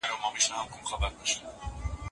نړیوال ډیپلوماټیک اصول باید په پام کي ونیول سي.